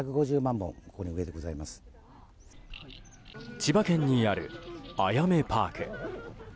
千葉県にある、あやめパーク。